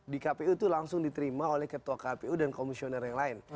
di kpu itu langsung diterima oleh ketua kpu dan komisioner yang lain